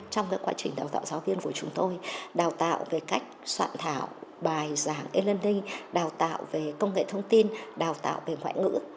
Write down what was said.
trong quá trình đào tạo giáo viên của chúng tôi đào tạo về cách soạn thảo bài giảng eloning đào tạo về công nghệ thông tin đào tạo về ngoại ngữ